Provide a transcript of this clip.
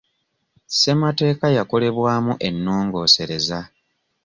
Ssemateeka yakolebwamu ennongoosereza.